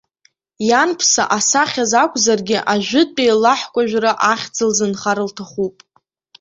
Ианԥса, асахьаз акәзаргьы, ажәытәтәи лаҳкәажәра ахьӡ лзынхар лҭахуп.